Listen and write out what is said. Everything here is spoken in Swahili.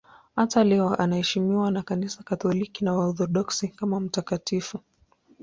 Hata leo anaheshimiwa na Kanisa Katoliki na Waorthodoksi kama mtakatifu.